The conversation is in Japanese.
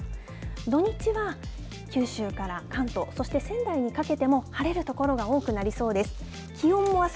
土日は九州から関東、そして仙台にかけても、晴れる所が多くなりそうです。